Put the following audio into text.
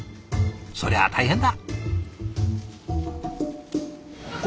そりゃ大変だ。